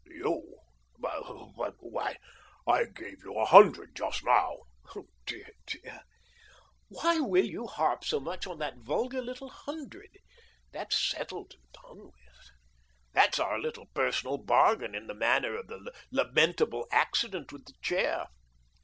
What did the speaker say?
" You ? But — but — why, I gave you a hundred just now !"" Dear, dear ! Why will you harp so much on that vulgar little hundred? That's settled and done with. That's our little personal bargain in the matter of the lamentable accident with the chair.